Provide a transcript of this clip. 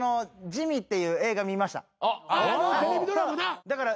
あのテレビドラマな。